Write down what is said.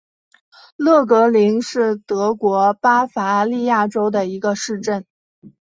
勒格灵是德国巴伐利亚州的一个市镇。